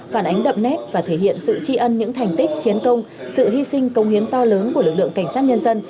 phản ánh đậm nét và thể hiện sự tri ân những thành tích chiến công sự hy sinh công hiến to lớn của lực lượng cảnh sát nhân dân